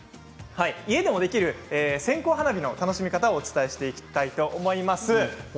家でもできる線香花火の楽しみ方をお伝えしていきます。